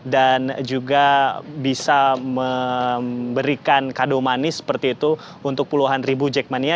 dan juga bisa memberikan kado manis seperti itu untuk puluhan ribu jackmania